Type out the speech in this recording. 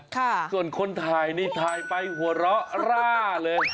ส่วนคนถ่ายนี่ถ่ายไปหัวเราะร่าเลย